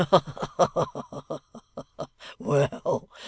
Ha ha! Well!